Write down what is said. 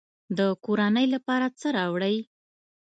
د کورنۍ لپاره څه راوړئ؟